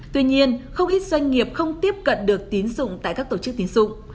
tuy nhiên không ít doanh nghiệp không tiếp cận được tín dụng tại các tổ chức tín dụng